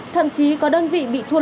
thậm chí có đơn vị bị thu hút